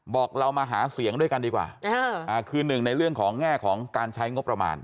บอกเรามาหาเสียงด้วยกันดีกว่าคือหนึ่งในเรื่องของแง่ของการใช้งบประมาณ